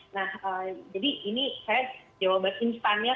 nah jadi ini saya jawabannya saya nggak tahu apa